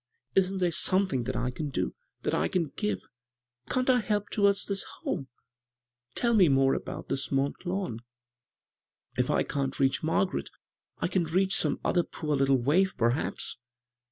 Isn't there something that I can do ? that I can give ? Can't I help towards this home ? Tell me more about this Mont Lawn. If I can't reach Margaret, I can reach some other poor little waif, perhaps."